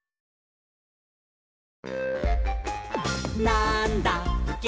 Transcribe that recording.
「なんだっけ？！